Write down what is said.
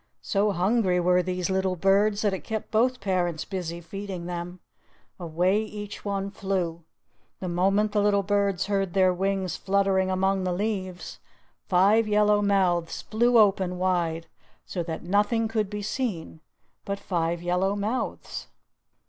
So hungry were these little birds that it kept both parents busy feeding them. Away each one flew. The moment the little birds heard their wings fluttering among the leaves, five yellow mouths flew open wide, so that nothing could be seen but five yellow mouths!